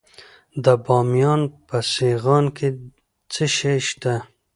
د بامیان په سیغان کې څه شی شته؟